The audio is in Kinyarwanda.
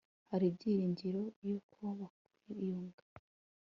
hari ibyiringiro yuko bakwiyunga